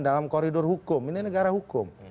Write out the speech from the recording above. dalam koridor hukum ini negara hukum